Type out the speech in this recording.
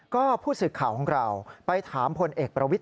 ก็ผู้ศึกข่าวของเราไปถามผลเอกประวิทธิ์